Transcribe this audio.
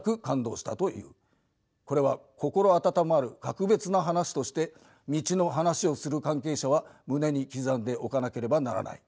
これは心温まる格別な話として道の話をする関係者は胸に刻んでおかなければならない。